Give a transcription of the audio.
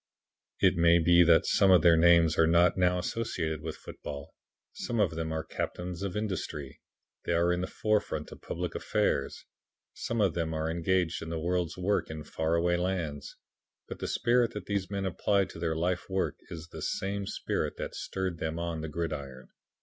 It may be that some of their names are not now associated with football. Some of them are captains of industry. They are in the forefront of public affairs. Some of them are engaged in the world's work in far away lands. But the spirit that these men apply to their life work is the same spirit that stirred them on the gridiron.